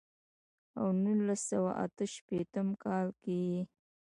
او نولس سوه اتۀ شپېتم کال کښې ئې